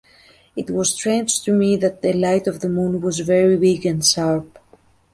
It was strange to me that the light of the moon was very big and sharp.